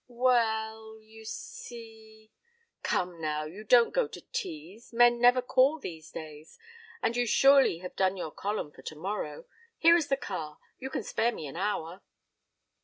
"Well you see " "Come now! You don't go to teas, men never call these days, and you surely have done your column for tomorrow. Here is the car. You can spare me an hour."